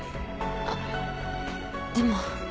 あっでも。